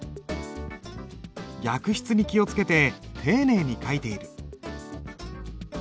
逆筆に気をつけて丁寧に書いている。